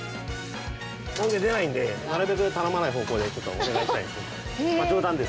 もうけ出ないんで、なるべく頼まない方向でちょっとお願いしたいんです。